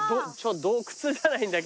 洞窟じゃないんだけど。